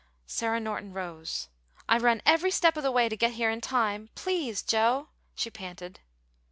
Sarah Norton rose. "I run every step of the way to get here in time. Please, Joe!" she panted.